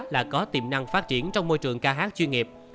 là có tiềm năng phát triển trong môi trường ca hát chuyên nghiệp